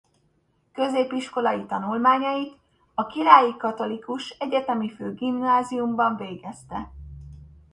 Középiskolai tanulmányait a Királyi Katholikus Egyetemi Főgimnáziumban végezte.